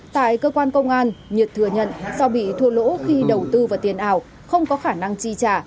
tại cơ quan công an nhật thừa nhận do bị thua lỗ khi đầu tư vào tiền ảo không có khả năng chi trả